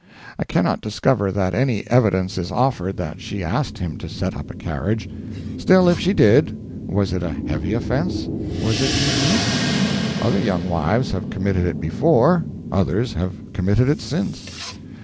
I cannot discover that any evidence is offered that she asked him to set up a carriage. Still, if she did, was it a heavy offense? Was it unique? Other young wives had committed it before, others have committed it since.